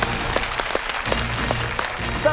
さあ